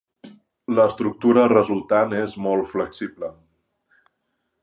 L'estructura resultant és molt flexible.